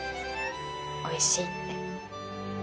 おいしいって。